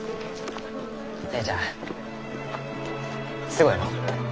姉ちゃんすごいのう。